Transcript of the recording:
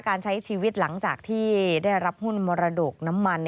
การใช้ชีวิตหลังจากที่ได้รับหุ้นมรดกน้ำมัน